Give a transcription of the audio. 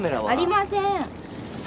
ありません。